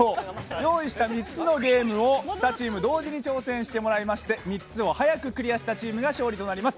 用意した３つのゲームを２チーム同時に挑戦してもらいまして３つを速くクリアしたチームが勝利となります。